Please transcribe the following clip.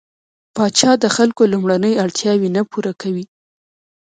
پاچا د خلکو لومړنۍ اړتياوې نه پوره کوي.